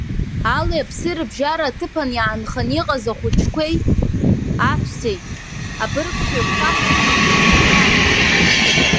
Али-ԥси рыбжьара аҭыԥан иаанхан иҟаз ахәыҷқәеи, аҳәсеи, абыргцәеи еиқәԥах иҿаҳәаны инышьҭарҵеит.